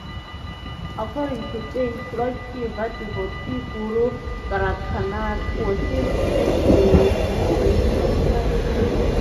According to saints Lord Shiva devotee Guru Gorakhnath worshipped at this religious site.